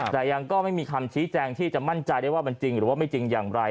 แต่ยังก็ไม่มีคำชี้แจงที่จะมั่นใจได้ว่ามันจริงหรือว่าไม่จริงอย่างไร